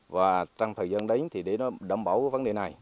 và trong thời gian đấy thì để nó đảm bảo vấn đề này